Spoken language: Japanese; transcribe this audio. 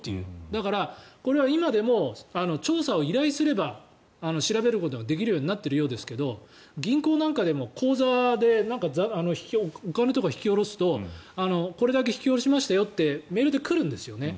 だから、これは今でも調査を依頼すれば調べることはできるようになっているようですが銀行なんかでも口座でお金とか引き下ろすとこれだけ引き下ろしましたよってメールで来るんですよね。